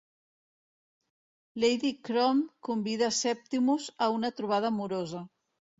Lady Croom convida Septimus a una trobada amorosa.